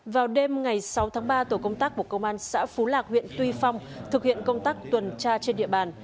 vào đêm ngày sáu tháng ba tổ công tác của công an xã phú lạc huyện tuy phong thực hiện công tác tuần tra trên địa bàn